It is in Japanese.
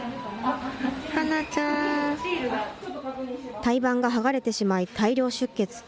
胎盤が剥がれてしまい、大量出血。